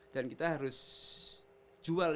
dan kita harus jual ini apa itu jual ini